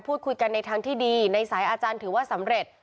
พูดคุยกันในทางที่ดีในสายอาจารย์ถือว่าสำเร็จ